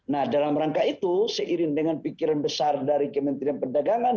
nah dalam rangka itu seiring dengan pikiran besar dari kementerian perdagangan